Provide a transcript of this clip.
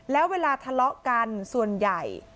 แล้วเวลาทะเลาะกันส่วนใหญ่